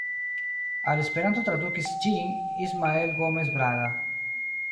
Al Esperanto tradukis ĝin Ismael Gomes Braga.